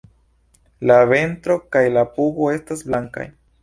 La ventro kaj la pugo estas blankaj.